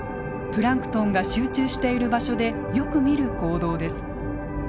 プランクトンが集中している場所でよく見る行動です。